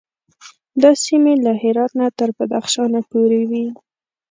دا سیمې له هرات نه تر بدخشان پورې وې.